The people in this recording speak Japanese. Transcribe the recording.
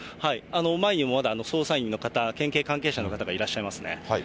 前にもまだ捜査員の方、県警関係者の方、いらっしゃいますね。